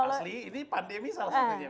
asli ini pandemi salah satunya